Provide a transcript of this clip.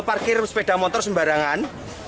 parkir sepeda motor sembarangan